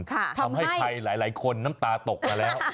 ทำให้ใครหลายคนน้ำตาตกมาแล้ว